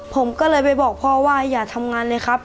ผมก็เลยไปบอกพ่อว่าอย่าทำงานเลยครับ